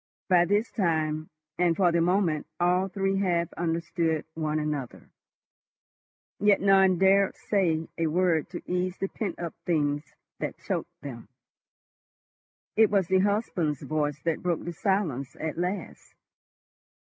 By this time and for the moment all three half understood one another. Yet none dared say a word to ease the pent up things that choked them. It was the husband's voice that broke the silence at last.